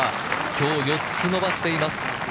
今日、４つ伸ばしています。